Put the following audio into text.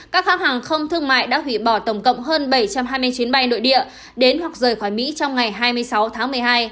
các hãng hàng không thương mại đã hủy bỏ tổng cộng hơn bảy trăm hai mươi chuyến bay nội địa đến hoặc rời khỏi mỹ trong ngày hai mươi sáu tháng một mươi hai